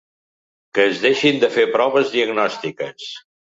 Que es deixen de fer proves diagnòstiques.